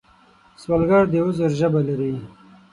سوالګر د عذر ژبه لري